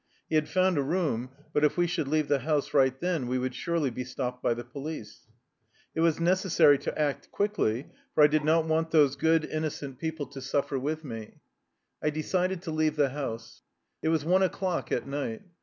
He had found a room, but if we should leave the house right then we would surely be stopped by the police. It was necessary to act quickly, for I did not want those good, innocent people to suf 212 THE LIFE STORY OF A RUSSIAN EXILE fer with me. I decided to leave the house. It was one o'clock at night.